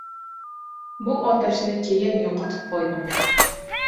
Bu otashni keyin yo’qotib qo’ydim